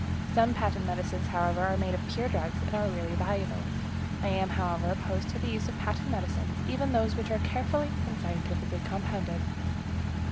Some patent medicines, however, are made of pure drugs, and are really valuable. I am, however, opposed to the use of patent medicines, even of those which are carefully and scientifically compounded.